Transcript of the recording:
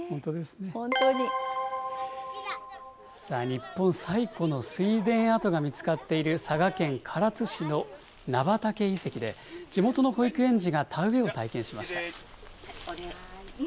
日本最古の水田跡が見つかっている佐賀県唐津市の菜畑遺跡で、地元の保育園児が田植えを体験しました。